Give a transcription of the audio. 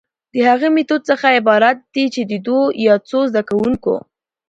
د هغه ميتود څخه عبارت دي چي د دوو يا څو زده کوونکو،